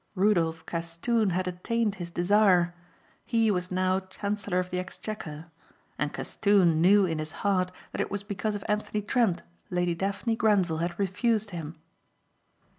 Rudolph Castoon had attained his desire. He was now Chancellor of the Exchequer. And Castoon knew in his heart that it was because of Anthony Trent Lady Daphne Grenvil had refused him.